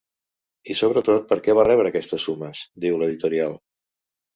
I sobretot per què va rebre aquestes sumes?, diu l’editorial.